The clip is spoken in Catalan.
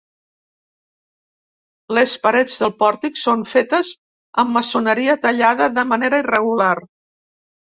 Les parets del pòrtic són fetes amb maçoneria tallada de manera irregular.